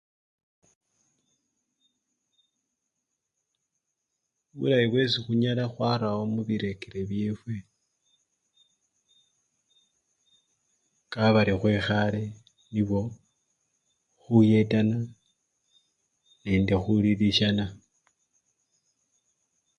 Bulayi bwesi khunyala khwarawo mubirekere byefwe kabari khwekhale nibwo khuyetana nende khulilisyana.